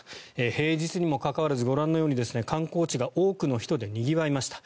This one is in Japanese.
平日にもかかわらずご覧のように観光地が多くの人でにぎわいました。